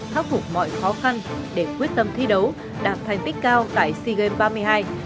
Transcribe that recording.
khắc phục mọi khó khăn để quyết tâm thi đấu đạt thành tích cao tại sea games ba mươi hai